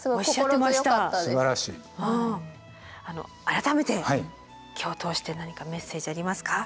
改めて今日を通して何かメッセージありますか？